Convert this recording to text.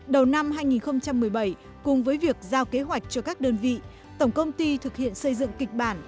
đầu năm hai nghìn một mươi bảy cùng với việc giao kế hoạch cho các đơn vị tổng công ty thực hiện xây dựng kịch bản